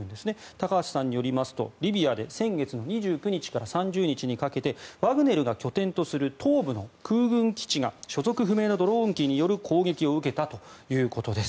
高橋さんによりますと、リビアで先月２９日から３０日にかけてワグネルが拠点とする東部の空軍基地が所属不明のドローン機による攻撃を受けたということです。